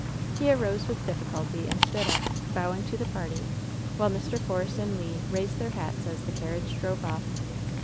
He arose with diflSculty and stood up, bowing to the party, while Mr. Force and Le raised their hats as the carriage drove off.